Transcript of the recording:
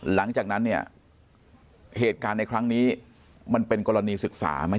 หลังจากนั้นเนี่ยเหตุการณ์ในครั้งนี้มันเป็นกรณีศึกษาไหม